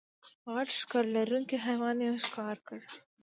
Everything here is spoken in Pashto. غټ ښکر لرونکی حیوان یې ښکار کړ.